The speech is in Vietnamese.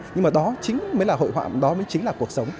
nhưng mà đó chính mới là hội họa đó mới chính là cuộc sống